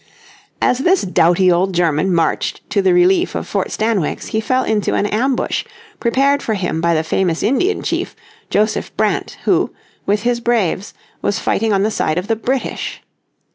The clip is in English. As this doughty old German marched to the relief of Fort Stanwix he fell into an ambush prepared for him by the famous Indian chief, Joseph Brant, who, with his braves, was fighting on the side of the British.